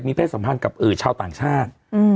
มีแพทย์สัมพันธ์กับชาวต่างชาติอืม